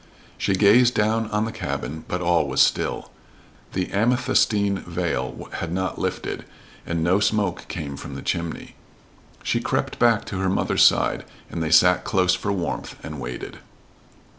She gazed down on the cabin, but all was still. The amethystine veil had not lifted, and no smoke came from the chimney. She crept back to her mother's side, and they sat close for warmth, and waited.